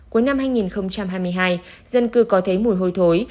cuối năm hai nghìn hai mươi hai dân cư có thấy mùi hôi thối